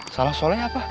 salah soleh apa